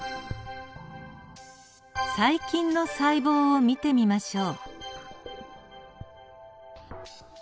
細菌の細胞を見てみましょう。